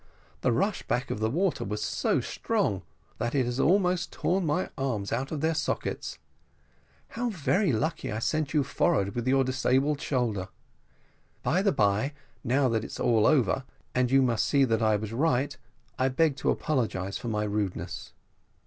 The rush back of the water was so strong that it has almost torn my arms out of their sockets. How very lucky I sent you forward with your disabled shoulder. By the bye, now that it's all over, and you must see that I was right, I beg to apologise for my rudeness."